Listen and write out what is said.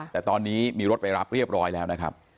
แต่ตอนนี้มีรถไปรับเรียบร้อยแล้วนะครับ